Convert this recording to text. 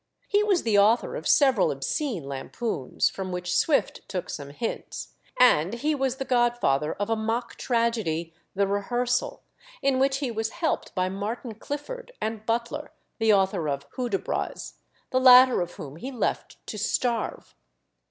He was the author of several obscene lampoons, from which Swift took some hints; and he was the godfather of a mock tragedy, The Rehearsal, in which he was helped by Martin Clifford and Butler, the author of Hudibras, the latter of whom he left to starve.